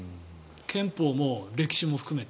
憲法も歴史も含めて。